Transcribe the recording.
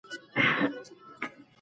خپلو ريښو ته وفادار اوسئ.